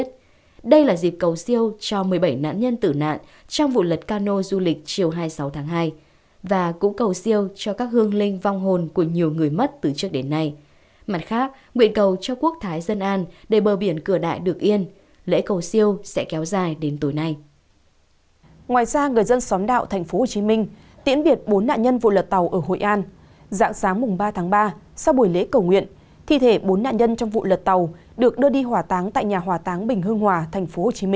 sau buổi lễ cầu nguyện thi thể bốn nạn nhân trong vụ lật tàu được đưa đi hỏa táng tại nhà hỏa táng bình hương hòa tp hcm